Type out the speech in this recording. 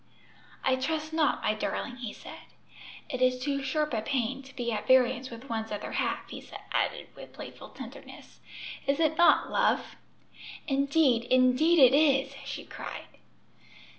"I trust not, my darling," he said. "It is too sharp a pain to be at variance with one's other half," he added, with playful tenderness. "Is it not, love!" "Indeed, indeed it is!" she cried.